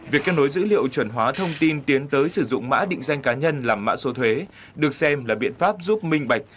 việc kết nối dữ liệu chuẩn hóa thông tin tiến tới sử dụng mã định danh cá nhân làm mã số thuế được xem là biện pháp giúp minh bạch